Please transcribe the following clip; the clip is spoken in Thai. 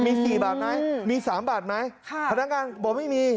มีสี่บาทไหมมีสามบาทไหมค่ะพนักงานบอกไม่มี